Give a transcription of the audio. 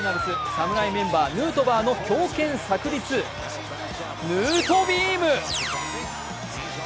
侍メンバー・ヌートバーの強肩さく裂、ヌートビーム！